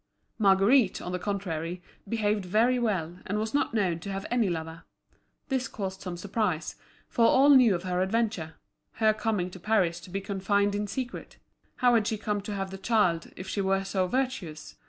Marguerite, on the contrary, behaved very well, and was not known to have any lover; this caused some surprise, for all knew of her adventure—her coming to Paris to be confined in secret; how had she come to have the child, if she were so virtuous?